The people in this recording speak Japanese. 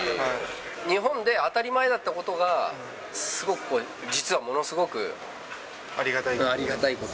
日本で当たり前だったことが、すごくこれ、実はものすごくありがたいこと。